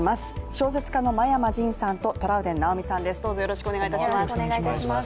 小説家の真山仁さんとトラウデン直美さんです